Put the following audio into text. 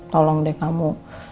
tolong deh kamu